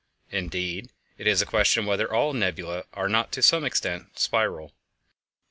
Indeed, it is a question whether all nebulæ are not to some extent spiral.